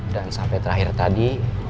dan sampai terakhir tadi